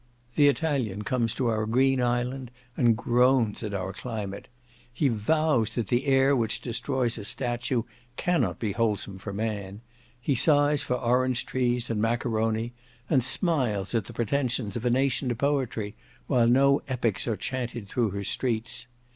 The Italian comes to our green island, and groans at our climate; he vows that the air which destroys a statue cannot be wholesome for man; he sighs for orange trees, and maccaroni, and smiles at the pretensions of a nation to poetry, while no epics are chaunted through her streets.